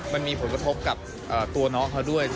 มันมีผลกระทบกับตัวน้องเขาด้วย